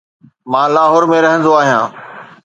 مان لاهور ۾ رهندو آهيان